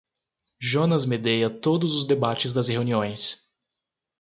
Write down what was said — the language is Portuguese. Jonas medeia todos os debates das reuniões.